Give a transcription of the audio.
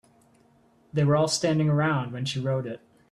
They were all standing around when she wrote it.